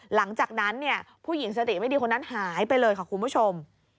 หลังจากนั้นเนี่ยผู้หญิงสติไม่ดีคนนั้นหายไปเลยค่ะคุณผู้ชม